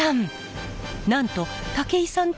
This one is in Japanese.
なんと武井さん